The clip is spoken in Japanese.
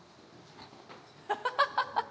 ・ハハハハ！